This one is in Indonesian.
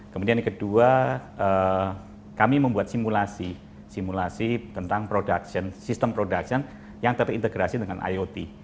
kemudian yang kedua kami membuat simulasi simulasi tentang production production yang terintegrasi dengan iot